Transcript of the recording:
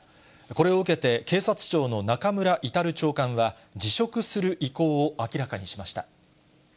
これを受けて警察庁の中村格長官は辞職する意向を明らかにしました。